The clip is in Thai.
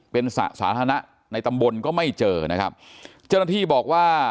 เป็นสระสาธารณะในตำบลก็ไม่เจอนะครับเจ้าหน้าที่บอกว่า